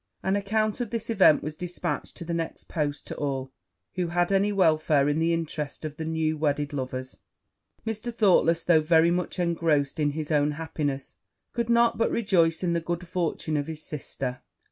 An account of this event was dispatched the next post to all who had any welfare in the interest of the new wedded lovers. Mr. Thoughtless, though very much engrossed by his own happiness, could not but rejoice in the good fortune of his sister.